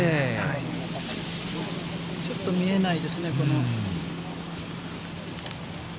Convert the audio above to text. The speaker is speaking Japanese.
ちょっと見えないですね。